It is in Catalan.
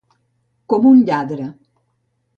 Com un lladre.